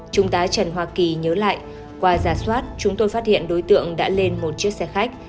trung tá trần hoa kỳ nhớ lại qua giả soát chúng tôi phát hiện đối tượng đã lên một chiếc xe khách